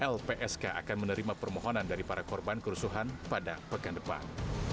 lpsk akan menerima permohonan dari para korban kerusuhan pada pekan depan